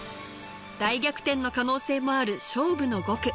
大逆転の可能性もある勝負の５区。